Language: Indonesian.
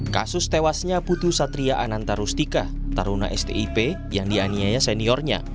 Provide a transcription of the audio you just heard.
kasus tewasnya putu satria ananta rustika taruna stip yang dianiaya seniornya